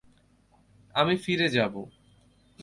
আমি ফিরে যাবো।